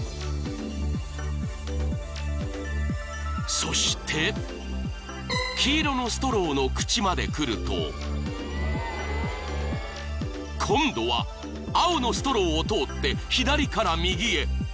［そして黄色のストローの口まで来ると今度は青のストローを通って左から右へ］